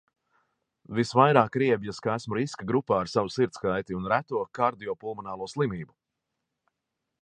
Visvairāk riebjas, ka esmu riska grupā ar savu sirdskaiti un reto kardiopulmonālo slimību.